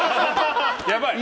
やばい。